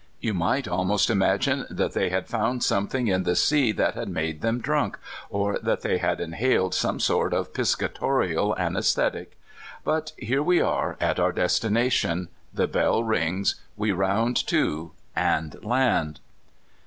^ ou might almost imagine that they had found some h.ng m the sea tluU had made them drunk or that they had inhaled «ome sort of piscatonal ancestheUc But here we are at our destination, ihe bell rin<>s, we round to, and land.